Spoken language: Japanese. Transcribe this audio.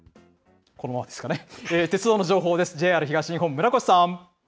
鉄道の情報です。